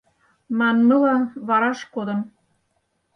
Манмыла, вараш кодын.